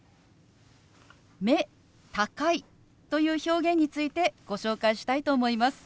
「目高い」という表現についてご紹介したいと思います。